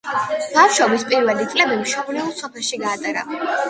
ბავშვობის პირველი წლები მშობლიურ სოფელში გაატარა.